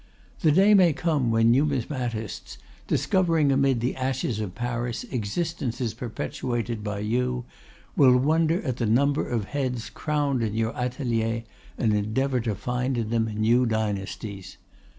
The day may come when numismatists, discovering amid the ashes of Paris existences perpetuated by you, will wonder at the number of heads crowned in your atelier and endeavour to find in them new dynasties.